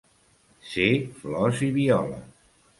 Ser flors i violes.